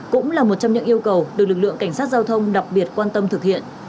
cũng là một trong những yêu cầu được lực lượng cảnh sát giao thông đặc biệt quan tâm thực hiện